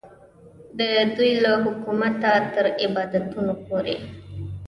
د دوی له حکومته تر عبادتونو پورې.